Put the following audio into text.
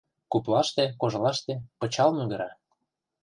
Куплаште, кожлаште пычал мӱгыра.